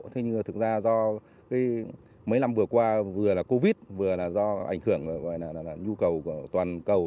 thế nhưng thực ra do mấy năm vừa qua vừa là covid vừa là do ảnh hưởng gọi là nhu cầu của toàn cầu